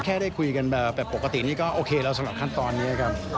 ได้คุยกันแบบปกตินี่ก็โอเคแล้วสำหรับขั้นตอนนี้ครับ